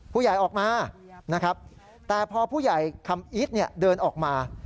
ผู้ใหญ่ออกมานะครับแต่พอผู้ใหญ่คำอีทเดินออกมา